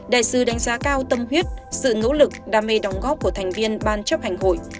đại sứ đánh giá cao tâm huyết sự nỗ lực đam mê đóng góp của thành viên ban chấp hành hội